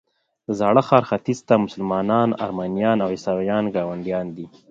د زاړه ښار ختیځ ته مسلمانان، ارمنیان او عیسویان ګاونډیان دي.